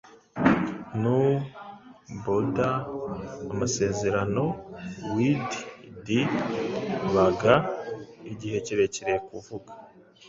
Nuh bodda amasezerano wid di bagga igihe kirekire kuvuga